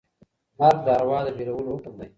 مرګ د ارواح د بېلولو حکم دی.